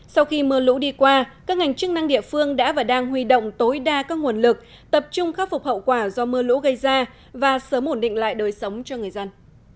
sau khi mưa lũ đi qua các ngành chức năng địa phương đã và đang huy động tối đa các nguồn lực tập trung khắc phục hậu quả do mưa lũ gây ra và sớm ổn định lại đời sống cho người dân